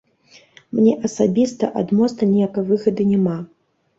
Мне асабіста ад моста ніякай выгады няма.